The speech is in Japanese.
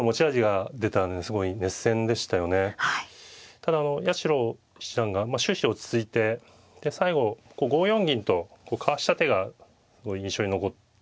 ただあの八代七段が終始落ち着いて最後５四銀とかわした手がすごい印象に残ってましたね。